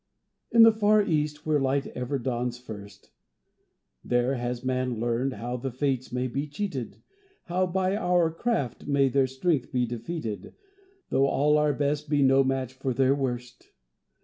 In the far East, where light ever dawns first, There has man learned how the Fates may be cheated, How by our craft may their strength be defeated, Though all our best be no match for their worst!